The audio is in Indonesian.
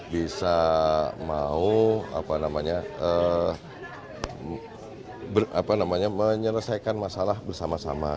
bisa mau apa namanya menyelesaikan masalah bersama sama